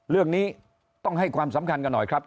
เรื่องนี้ต้องให้ความสำคัญกันหน่อยครับ